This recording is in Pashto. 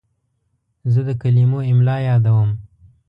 زه د کلمو املا یادوم.